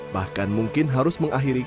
bahkan mungkin harus mengakhiri